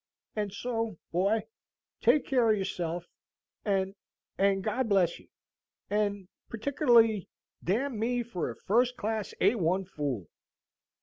And so boy take care of yourself and and God bless ye, and pertikerly d n me for a first class A 1 fool."